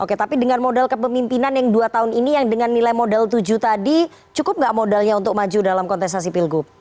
oke tapi dengan modal kepemimpinan yang dua tahun ini yang dengan nilai modal tujuh tadi cukup nggak modalnya untuk maju dalam kontestasi pilgub